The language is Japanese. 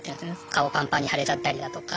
顔ぱんぱんに腫れちゃったりだとか